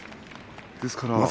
ですから。